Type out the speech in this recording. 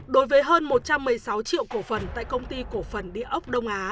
đối với hơn một trăm một mươi sáu triệu cổ phần tại công ty cổ phần đĩa ốc